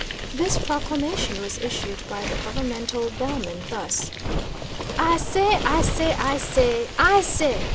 This proclamation was issued by the governmental bellman thus: "I say I say I say I say.